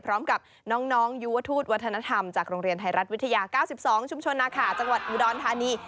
พร้อมกับน้องยูวทูตวัฒนธรรมจากโรงเรียนไทยรัฐวิทยา๙๒ชุมชนนาขาจังหวัดอุดรธานี